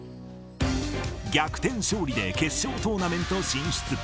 逆転勝利で決勝トーナメント進出。